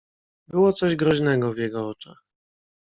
"Było coś groźnego w jego oczach."